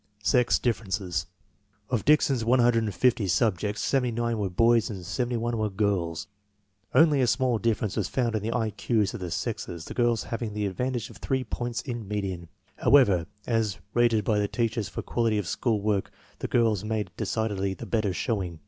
Sex differences. Of Dickson's 150 subjects, 79 were boys and 71 were girls. Only a small difference was found in the I Q's of the sexes, the girls having the advantage of three points in median. However, as rated by the teachers for quality of school work, the girls made decidedly the better showing.